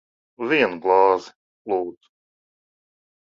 Vienu glāzi. Lūdzu.